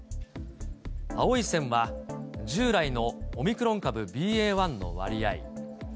青い線は、従来のオミクロン株ＢＡ．１の割合。